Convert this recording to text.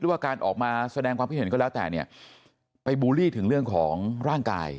หรือการออกมาแสดงความผิดเห็นคือไปบูลลีถึงเรื่องของร่างกาย